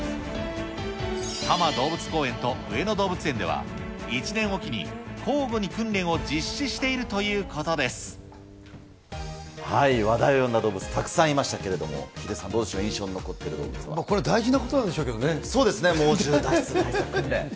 多摩動物公園と上野動物園では、１年置きに交互に訓練を実施して話題を呼んだ動物、たくさんいましたけれども、ヒデさん、どうでしょう、これ、大事なことなんでしょそうですね、猛獣脱出対策訓練。